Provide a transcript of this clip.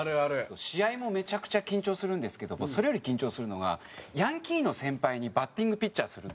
試合もめちゃくちゃ緊張するんですけどそれより緊張するのがヤンキーの先輩にバッティングピッチャーするっていう。